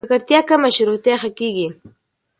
که ککړتیا کمه شي، روغتیا ښه کېږي.